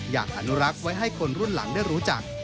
อนุรักษ์ไว้ให้คนรุ่นหลังได้รู้จัก